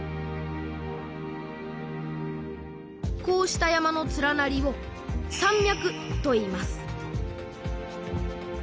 こうした山の連なりを山脈といいます